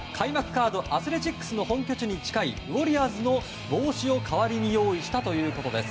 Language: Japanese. カードアスレチックスの本拠地に近いウォリアーズの帽子を代わりに用意したということです。